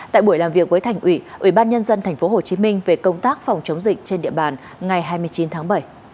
tại buổi làm việc với thành ủy ủy ban nhân dân tp hcm về công tác phòng chống dịch trên địa bàn ngày hai mươi chín tháng bảy